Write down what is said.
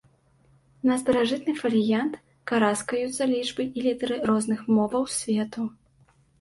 На старажытны фаліянт караскаюцца лічбы і літары розных моваў свету.